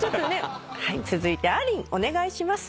続いてあーりんお願いします。